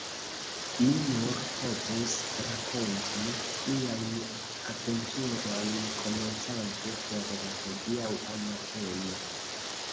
Mi nur povus rakonti miajn aventurojn komencante per la hodiaŭa mateno,.